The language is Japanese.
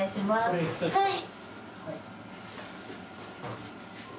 はい。